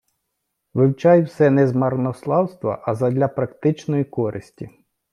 Вивчай все не з марнославства, а задля практичної користі.